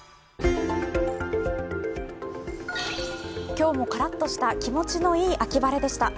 今日もカラッとした気持ちのいい秋晴れでした。